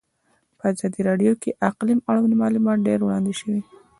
په ازادي راډیو کې د اقلیم اړوند معلومات ډېر وړاندې شوي.